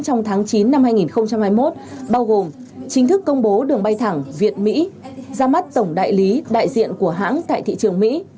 trong tháng chín năm hai nghìn hai mươi một bao gồm chính thức công bố đường bay thẳng việt mỹ ra mắt tổng đại lý đại diện của hãng tại thị trường mỹ